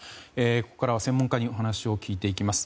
ここからは専門家にお話を聞いていきます。